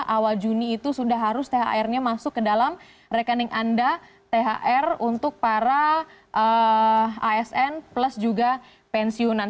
awal juni itu sudah harus thr nya masuk ke dalam rekening anda thr untuk para asn plus juga pensiunan